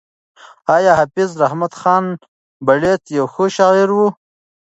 ایا حافظ رحمت خان بړیڅ یو ښه شاعر هم و؟